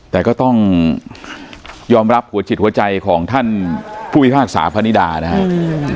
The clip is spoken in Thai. แต่ก็ต้องยอมรับหัวจิตหัวใจของท่านผู้พิพากษาพนิดานะครับ